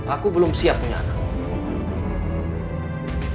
aku belum siap punya anak